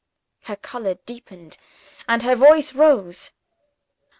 Her color deepened, and her voice rose.